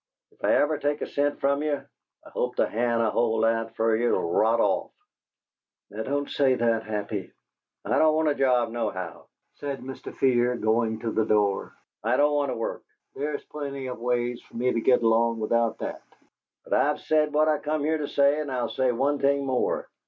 If I ever take a cent from you, I hope the hand I hold out fer it 'll rot off." "Now don't say that, Happy." "I don't want a job, nohow!" said Mr. Fear, going to the door; "I don't want to work. There's plenty ways fer me to git along without that. But I've said what I come here to say, and I'll say one thing more.